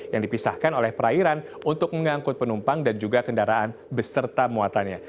yang dipisahkan oleh perairan untuk mengangkut penumpang dan juga kendaraan beserta muatannya